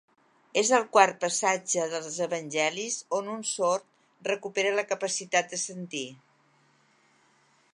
És el quart passatge dels evangelis on un sord recupera la capacitat de sentir.